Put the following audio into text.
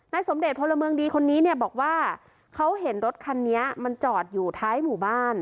สมเด็จพลเมืองดีคนนี้เนี่ยบอกว่าเขาเห็นรถคันนี้มันจอดอยู่ท้ายหมู่บ้าน